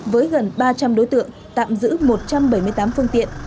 với gần ba trăm linh đối tượng tạm giữ một trăm bảy mươi tám phương tiện